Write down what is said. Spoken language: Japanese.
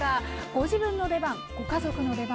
ご自分の出番、ご家族の出番